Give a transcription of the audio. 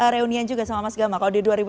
reunian juga sama mas gamal kalau di